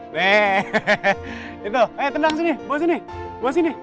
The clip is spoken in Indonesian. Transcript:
nih itu eh tenang sini bawa sini bawa sini